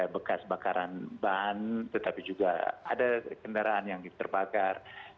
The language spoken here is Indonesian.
bekas bakaran ban tetapi juga ada kendaraan yang terbakar